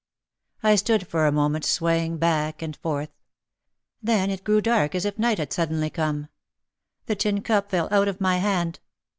I stood for a moment swaying back and forth. Then it grew dark as if night had suddenly come. The tin cup fell out of my hand.